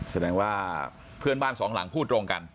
แสดงว่าเพื่อนบ้านสองหลังพูดตรงกัน